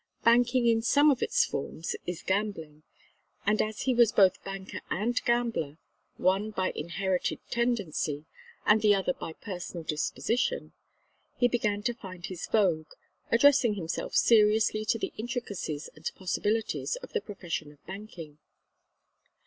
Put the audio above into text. Banking in some of its forms is gambling, and as he was both banker and gambler one by inherited tendency and the other by personal disposition he began to find his vogue, addressing himself seriously to the intricacies and possibilities of the profession of banking.